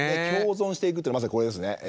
共存していくとはまさにこれですね。